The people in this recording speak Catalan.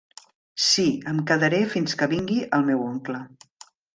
Sí, em quedaré fins que vingui el meu oncle.